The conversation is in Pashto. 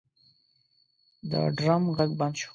د ډرم غږ بند شو.